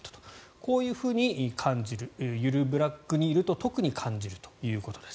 こういうふうに感じるゆるブラックにいると特に感じるということです。